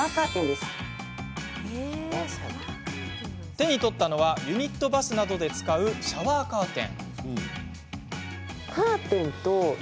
手に取ったのはユニットバスなどで使うシャワーカーテン。